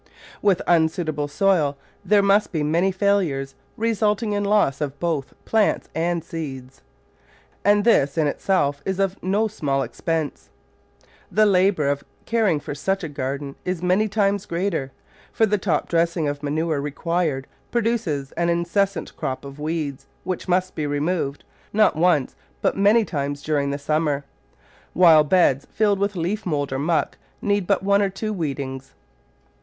With unsuitable soil there must be many failures, resulting in loss of both plants and seeds, and this in itself is no small expense. The labour of caring for such a garden is many times greater, for the top dressing of manure required produces an incessant crop of weeds, which must be removed, not once, but many times during the summer, while beds filled with leaf mould or muck need but one or two weedings.